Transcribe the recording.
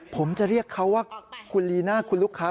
ผมจะเรียกเขาว่าคุณลีน่าคุณลูกค้า